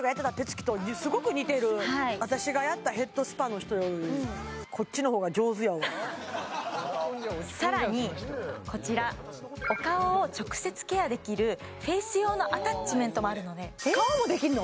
確かに私がやったヘッドスパの人よりこっちのほうが上手やわさらにこちらお顔を直接ケアできるフェイス用のアタッチメントもあるので顔もできるの？